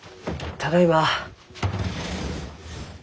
ただいま。